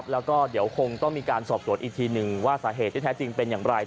แล้วก็เดี๋ยวคงต้องมีการสอบสวนอีกทีหนึ่งว่าสาเหตุที่แท้จริงเป็นอย่างไร